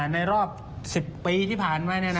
ในรอบ๑๐ปีที่ผ่านไหมเนี่ยนะ